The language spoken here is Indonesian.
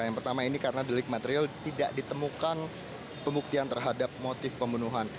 yang pertama ini karena delik material tidak ditemukan pembuktian terhadap motif pembunuhan